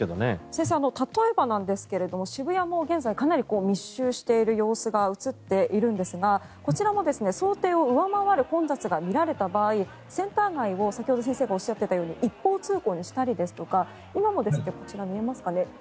先生、例えばですが渋谷も現在かなり密集している様子が映っているんですがこちらも想定を上回る混雑が見られた場合センター街を先ほど、先生がおっしゃっていたように一方通行にしたりですとか今も、こちら見えますでしょうか